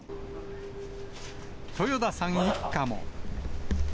豊田さん一家も。